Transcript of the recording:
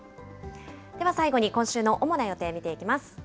では最後に今週の主な予定見ていきます。